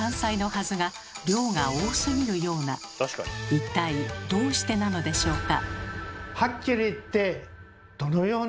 一体どうしてなのでしょうか？